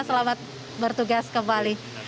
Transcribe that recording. selamat bertugas kembali